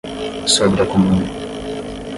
Sobre a Comuna